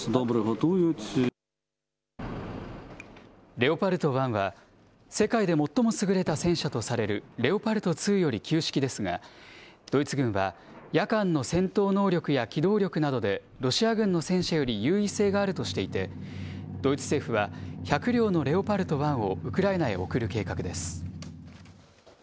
レオパルト１は、世界で最も優れた戦車とされるレオパルト２より旧式ですが、ドイツ軍は、夜間の戦闘能力や機動力などでロシア軍の戦車より優位性があるとしていて、ドイツ政府は、１００両のレオパルト１をウクライナへ送る計画です。